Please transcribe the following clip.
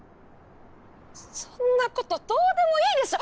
そんなことどうでもいいでしょ？